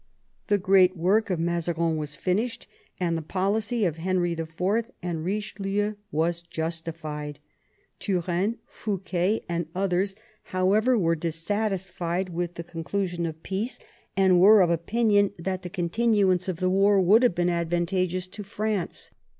The great work of Mazarin was finished and the policy of Henry IV. and Eichelieu was justified. Turenne, Fouquet, and others, however, VIII THE PEACE OF THE PYRENEES 147 were dissatisfied with the conclusion of peace, and were of opinion that the continuance of the war would have been advantageous to France.